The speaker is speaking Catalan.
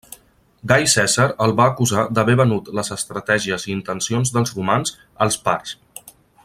Gai Cèsar el va acusar d'haver venut les estratègies i intencions dels romans als parts.